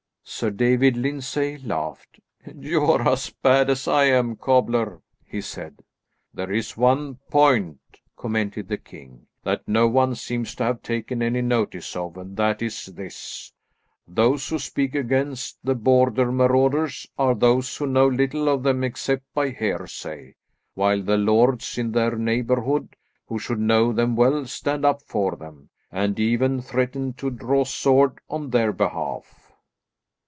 Sir David Lyndsay laughed. "You're as bad as I am, cobbler," he said. "There is one point," commented the king, "that no one seems to have taken any notice of, and that is this: Those who speak against the Border marauders are those who know little of them except by hearsay; while the lords in their neighbourhood, who should know them well, stand up for them, and even threaten to draw sword on their behalf."